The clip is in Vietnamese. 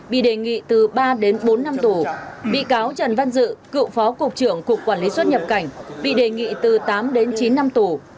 bị cáo trần văn dự cựu phó cục trưởng cục quản lý xuất nhập cảnh bị đề nghị từ tám đến chín năm tù